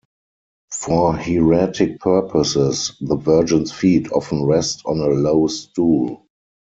For hieratic purposes, the Virgin's feet often rest on a low stool.